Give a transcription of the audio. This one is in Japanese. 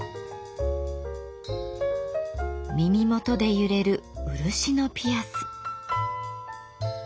耳元で揺れる漆のピアス。